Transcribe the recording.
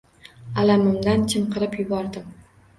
Alamimdan chinqirib yubordim.